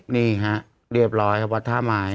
นี่ฮะเรียบร้อยวัดท่าม้าย